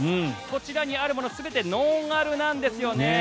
こちらにあるもの全てノンアルなんですよね。